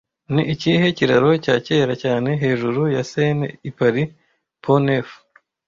Ni ikihe kiraro cya kera cyane hejuru ya Seine i Paris Pont Neuf